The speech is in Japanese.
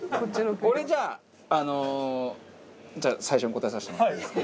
俺じゃああのじゃあ最初に答えさせてもらっていいですか？